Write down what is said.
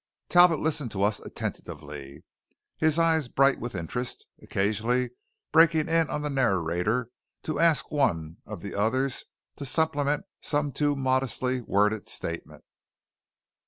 Talbot listened to us attentively, his eyes bright with interest, occasionally breaking in on the narrator to ask one of the others to supplement some too modestly worded statement.